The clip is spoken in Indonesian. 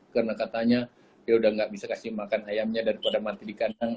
karena katanya ya udah gak bisa kasih makan ayamnya daripada mati di kanang